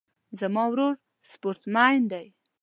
زما ورور سپورټ مین ده